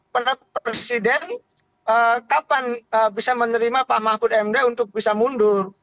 pernah presiden kapan bisa menerima pak mahfud md untuk bisa mundur